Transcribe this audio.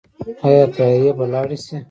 آیا تیارې به لاړې شي؟